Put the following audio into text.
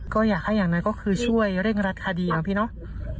ก็อยากให้อย่างไรก็คือช่วยเร่งรัดคดีหรือเปล่าพี่เนอะค่ะ